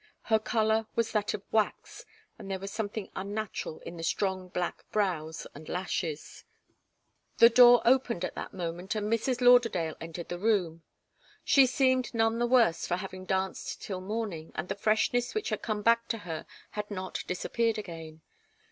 Her colour was that of wax, and there was something unnatural in the strong black brows and lashes. The door opened at that moment, and Mrs. Lauderdale entered the room. She seemed none the worse for having danced till morning, and the freshness which had come back to her had not disappeared again.